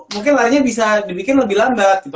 mungkin larinya bisa dibikin lebih lambat gitu